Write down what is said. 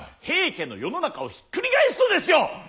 平家の世の中をひっくり返すのですよ！